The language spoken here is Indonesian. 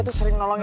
jatuh halleifah vm